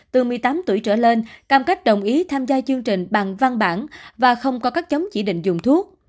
từ một mươi tám tuổi trở lên cam kết đồng ý tham gia chương trình bằng văn bản và không có các chống chỉ định dùng thuốc